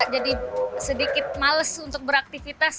jadi sedikit males untuk beraktifitas